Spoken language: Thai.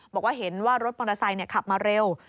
บอกว่าเห็นว่ารถปราสัยขับมาเร็ว